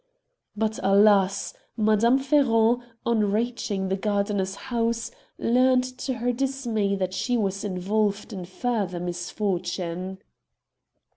But, alas ! Madame Ferron, on reaching the gardener's house, learned to her dismay that she was involved in further misfortune.